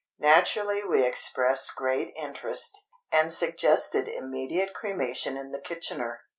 Naturally we expressed great interest, and suggested immediate cremation in the kitchener.